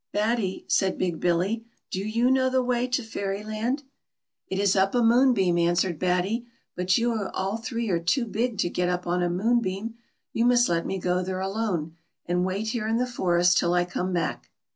" Batty," said Big Billy, " do you know the way to Fair) land ?" 204 BATTY. " It is up a moonbeam," answered Batty ;" but you are all three too big to get up on a moonbeam. You must let me go there alone, and wait here in the forest till I come back."